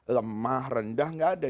lemah rendah enggak ada